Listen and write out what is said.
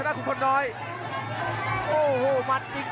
เหลือตกเวทีเลยครับดูครับสู้กันสนุกจริง